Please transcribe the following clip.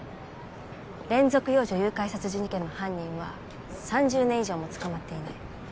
連続幼女誘拐殺人事件の犯人は３０年以上も捕まっていない。